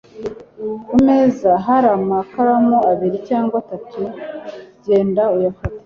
Ku meza hari amakaramu abiri cyangwa atatu jyenda uyafate